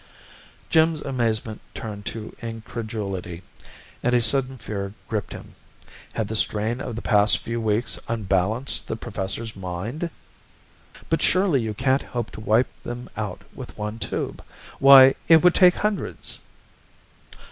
Jim's amazement turned to incredulity and a sudden fear gripped him. Had the strain of the past few weeks unbalanced the professor's mind? "But surely you can't hope to wipe them out with one tube. Why, it would take hundreds."